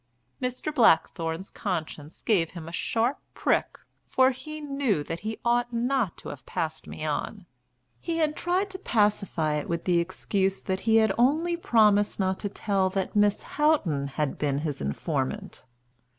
Mr. Blackthorne's conscience gave him a sharp prick, for he knew that he ought not to have passed me on. He tried to pacify it with the excuse that he had only promised not to tell that Miss Houghton had been his informant.